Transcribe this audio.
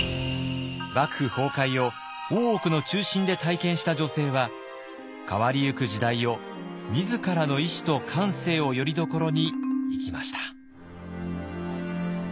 幕府崩壊を大奥の中心で体験した女性は変わりゆく時代を自らの意志と感性をよりどころに生きました。